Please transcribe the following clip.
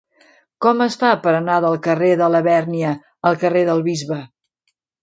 Com es fa per anar del carrer de Labèrnia al carrer del Bisbe?